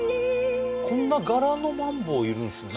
こんな柄のマンボウいるんすね